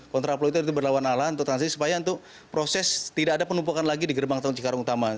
kontraplu itu berlawananlah untuk transisi supaya untuk proses tidak ada penumpukan lagi di gerbang tolci karang utama